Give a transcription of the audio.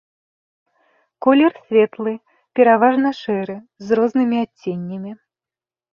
Колер светлы, пераважна шэры, з рознымі адценнямі.